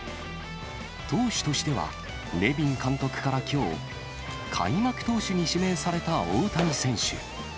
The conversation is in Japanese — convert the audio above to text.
投手としては、ネビン監督からきょう、開幕投手に指名された大谷選手。